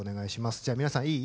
じゃあ皆さんいい？